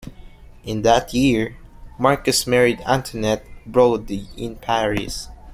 In that year, Marcus married Antoinette Brody in Paris.